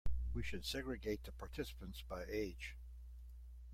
We should segregate the participants by age.